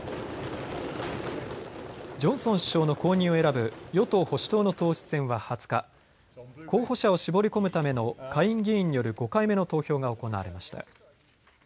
ジョンソン首相の後任を選ぶ与党保守党の党首選は２０日、候補者を絞り込むための下院議員による５回目の投票が行われました。